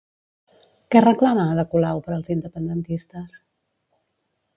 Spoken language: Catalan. Què reclama Ada Colau per als independentistes?